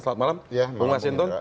selamat malam mas hinton